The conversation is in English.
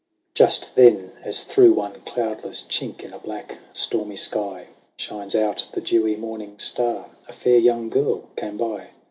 Just then, as through one cloudless chink in a black stormy sky Shines out the dewy morning star, a fair young girl came by.